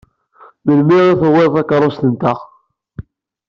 Melmi i tewwiḍ takeṛṛust-nteɣ?